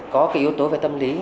có cái yếu tố về tâm lý